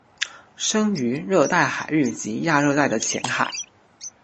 生活于热带海域及亚热带的浅海。